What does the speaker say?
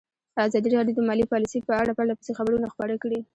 ازادي راډیو د مالي پالیسي په اړه پرله پسې خبرونه خپاره کړي.